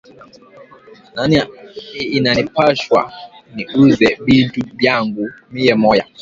Inani pashwa ni uze bintu byangu miye moya